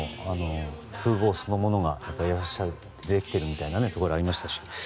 風貌そのものが優しさでできているみたいなところありましたし。